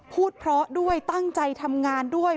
พูดเพราะด้วยตั้งใจทำงานด้วย